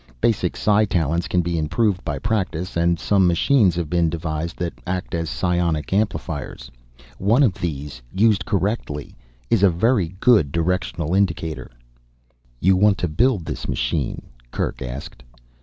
Basic psi talents can be improved by practice, and some machines have been devised that act as psionic amplifiers. One of these, used correctly, is a very good directional indicator." "You want to build this machine?" Kerk asked.